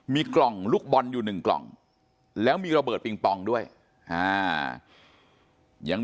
มีกล่องลูกบอลอยู่หนึ่งกล่องแล้วมีระเบิดปิงปองด้วยอ่ายัง